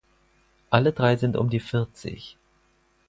Alle drei sind um die vierzig.